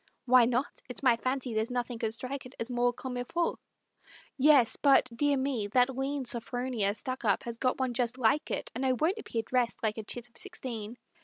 "Why not? It's my fancy, there's nothing could strike it As more comme it faut" "Yes, but, dear me, that lean Sophronia Stuckup has got one just like it, And I won't appear dressed like a chit of sixteen."